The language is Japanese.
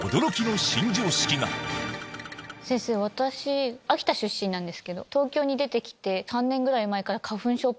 私秋田出身なんですけど東京に出てきて。